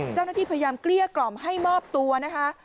เจ้าหน้าที่พยายามเกลี้ยกล่อมให้มอบตัวนะคะ